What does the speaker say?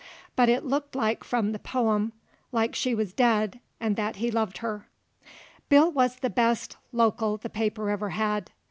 But it looked from the pome like she wuz dead 'nd that he loved her. Bill wuz the best lokil the paper ever had.